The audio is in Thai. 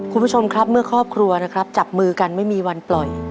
คุณผู้ชมครับเมื่อครอบครัวนะครับจับมือกันไม่มีวันปล่อย